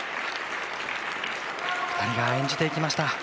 ２人が演じていきました。